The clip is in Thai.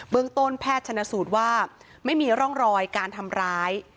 เมืองต้นแพทย์ชนะสูตรว่าไม่มีร่องรอยการทำร้าย